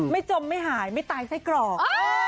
จมไม่หายไม่ตายไส้กรอก